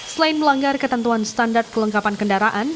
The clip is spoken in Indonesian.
selain melanggar ketentuan standar kelengkapan kendaraan